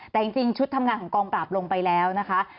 แต่จริงชุดทำงานของกองปราบลงไปแล้วนะคะ